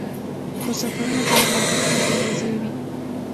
خو سفرونه بې له ملګرو هم بې مزې وي.